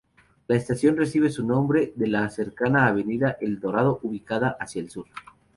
La estación recibe su nombre de la cercana Avenida Eldorado, ubicada hacia el sur.